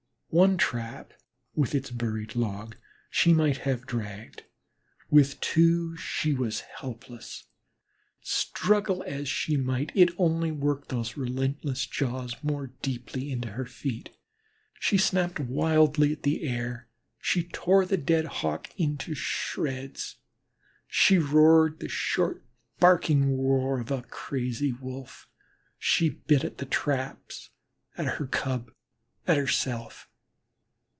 One trap with its buried log, she might have dragged; with two, she was helpless. Struggle as she might, it only worked those relentless jaws more deeply into her feet. She snapped wildly at the air; she tore the dead Hawk into shreds; she roared the short, barking roar of a crazy Wolf. She bit at the traps, at her cub, at herself.